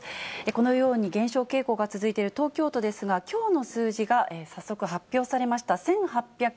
このように、減少傾向が続いている東京都ですが、きょうの数字が早速発表されました。